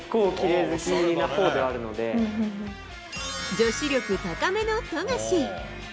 女子力高めの富樫。